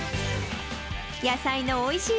野菜のおいしい